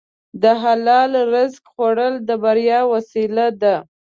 د حلال رزق خوړل د بریا وسیله ده.